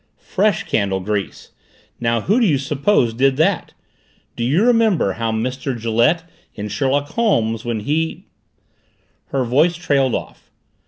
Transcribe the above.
"Fresh candle grease! Now who do you suppose did that? Do you remember how Mr. Gillette, in Sherlock Holmes, when he " Her voice trailed off.